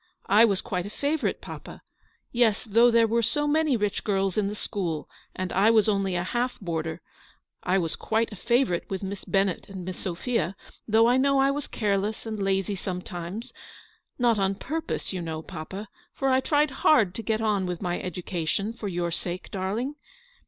I was quite a favourite, papa. Yes, though there were so many rich girls in the school, and I was only a half boarder, I was quite a favourite with Miss Bennett and Miss Sophia; though I know I was careless and lazy sometimes, not on purpose, you know, papa, for I tried hard to get on with my education, for your sake, darling.